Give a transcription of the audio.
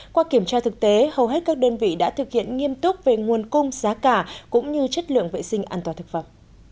qua kiểm tra thực tế hầu hết các đơn vị đã thực hiện nghiêm túc về nguồn cung giá cả cũng như chất lượng vệ sinh an toàn thực phẩm